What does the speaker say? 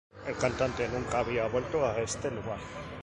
El cantante nunca había vuelto a ese lugar.